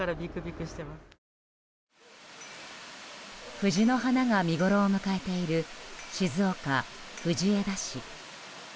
藤の花が見ごろを迎えている静岡・藤枝市。